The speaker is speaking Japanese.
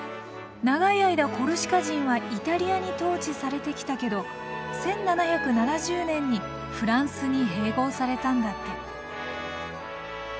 長い間コルシカ人はイタリアに統治されてきたけど１７７０年にフランスに併合されたんだって。